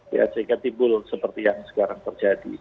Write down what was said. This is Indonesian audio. ya sehingga timbul seperti yang sekarang terjadi